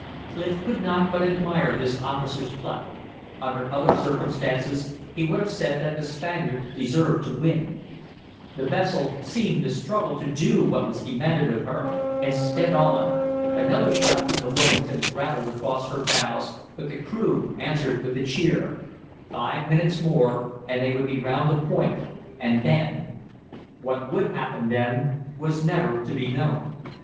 Clif could not but admire this officer's pluck. Under other circumstances, he would have said that the Spaniard deserved to win. The vessel seemed to struggle to do what was demanded of her, and sped on. Another shot from the Wilmington rattled across her bows, but the crew answered with a cheer. Five minutes more and they would be round the point and then What would happen then was never to be known.